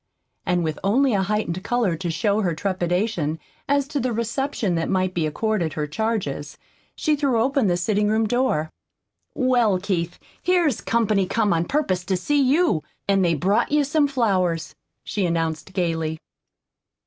And with only a heightened color to show her trepidation as to the reception that might be accorded her charges, she threw open the sitting room door. "Well, Keith, here's company come on purpose to see you. An' they've brought you some flowers," she announced gayly.